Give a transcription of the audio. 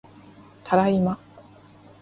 ただいま